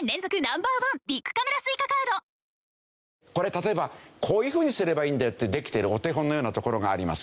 例えばこういうふうにすればいいんだよってできてるお手本のような所があります。